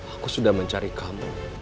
aku sudah mencari kamu